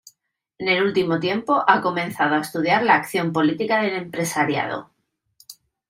En el último tiempo ha comenzado a estudiar la acción política del empresariado.